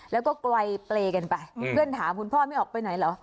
แล้วก็ไกลเปรย์กันไปเพื่อนถามคุณพ่อไม่ออกไปไหนเหรอ